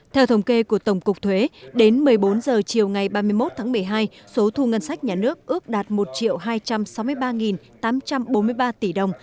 theo thống kê của tổng cục thuế đến một mươi bốn h chiều ngày ba mươi một tháng một mươi hai số thu ngân sách nhà nước ước đạt một hai trăm sáu mươi ba tám trăm bốn mươi ba tỷ đồng